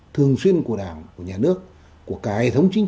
thiết động hàu thuận thiết định